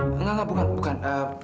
enggak enggak bukan bukan